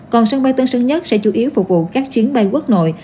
còn sân bay tân sơn nhất sẽ chủ yếu phục vụ các chuyến bay quốc nội